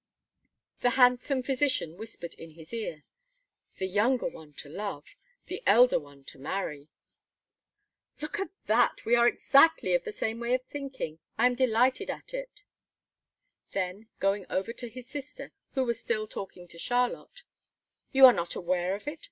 The handsome physician whispered in his ear: "The younger one, to love; the elder one, to marry." "Look at that! We are exactly of the same way of thinking. I am delighted at it!" Then, going over to his sister, who was still talking to Charlotte: "You are not aware of it?